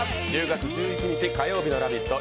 １０月１１日、火曜日の「ラヴィット！」